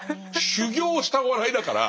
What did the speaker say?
修業したお笑いだから。